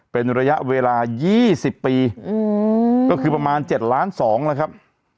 เป็นระยะเวลา๒๐ปีก็คือประมาณ๗ล้าน๒แล้วครับ